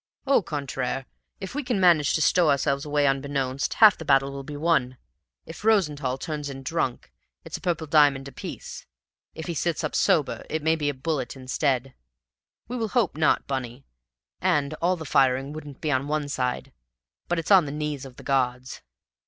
Au contraire, if we can manage to stow ourselves away unbeknownst, half the battle will be won. If Rosenthall turns in drunk, it's a purple diamond apiece. If he sits up sober, it may be a bullet instead. We will hope not, Bunny; and all the firing wouldn't be on one side; but it's on the knees of the gods."